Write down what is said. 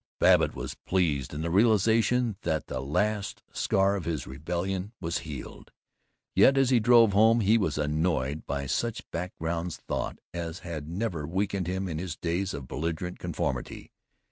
Babbitt was pleased in the realization that the last scar of his rebellion was healed, yet as he drove home he was annoyed by such background thoughts as had never weakened him in his days of belligerent conformity.